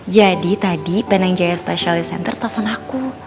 jadi tadi penang jaya specialist center telepon aku